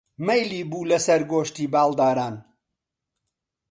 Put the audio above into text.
مەیلی بوو لەسەر گۆشتی باڵداران